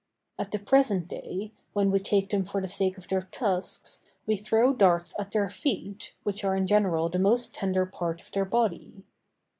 At the present day, when we take them for the sake of their tusks, we throw darts at their feet, which are in general the most tender part of their body.